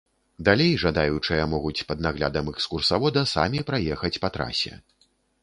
Далей жадаючыя могуць пад наглядам экскурсавода самі праехаць па трасе.